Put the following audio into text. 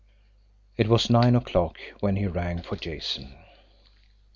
It was nine o'clock when he rang for Jason.